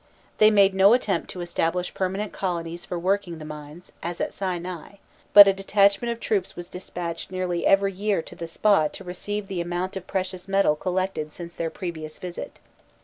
They made no attempt to establish permanent colonies for working the mines, as at Sinai; but a detachment of troops was despatched nearly every year to the spot to receive the amount of precious metal collected since their previous visit.